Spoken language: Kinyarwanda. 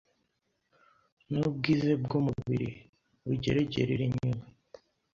ni ubwize bw’umubiri, bugeregerire inyume.